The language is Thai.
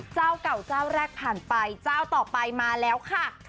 เจ้าเก่าเจ้าแรกผ่านไปเจ้าต่อไปมาแล้วค่ะ